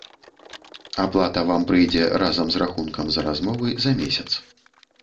Аплата вам прыйдзе разам з рахункам за размовы за месяц.